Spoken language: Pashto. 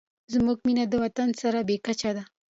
زموږ مینه د وطن سره بې کچې ده.